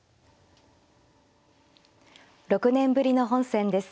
６年ぶりの本戦です。